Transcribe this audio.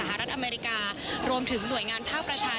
หน่วยงานหน่วยงานตัวแทนทหาร